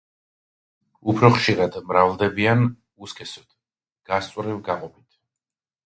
უფრო ხშირად მრავლდებიან უსქესოდ, გასწვრივ გაყოფით.